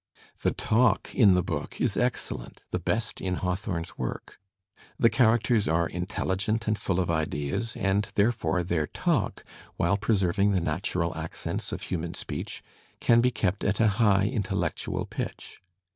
The talk in the book is excellent, the best in Hawthorne's work. The characters are inteUigent and full of ideas, and therefore their talk, while preserving the natural accents of human speech, can be kept at a high intellectual pitch.